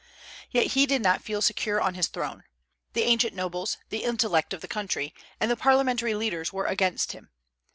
Yet he did not feel secure on his throne; the ancient nobles, the intellect of the country, and the parliamentary leaders were against him.